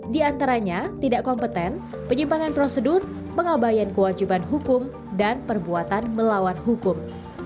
di antaranya tidak kompeten penyimpangan prosedur pengabayan kewajiban hukum dan perbuatan melawan hukum